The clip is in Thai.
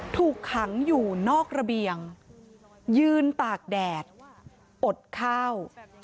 ถูกขังอยู่นอกระเบียงยืนตากแดดข้าว